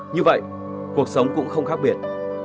như vậy cuộc sống cũng không khác biệt